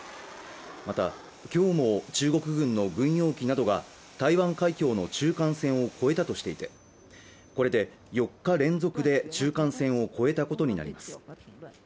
また今日も中国軍の軍用機などが台湾海峡の中間線を越えたとしていて、これで４日連続で中間線を越えたことになります。